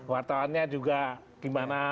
wartawannya juga gimana